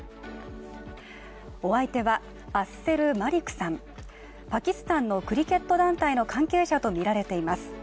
お相手はアッセル・マリクさん、パキスタンのクリケット団体の関係者とみられています。